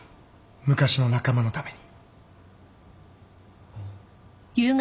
昔の仲間のために。